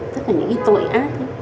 tất cả những cái tội ác